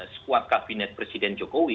sekuat kabinet presiden jokowi